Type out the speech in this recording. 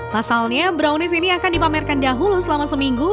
pasalnya brownies ini akan dipamerkan dahulu selama seminggu